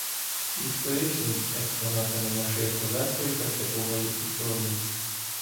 Історичний з експонатами нашої козацької та степової історії